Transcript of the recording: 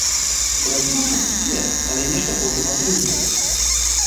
Бразгочуць усе, але нешта потым атрымліваецца.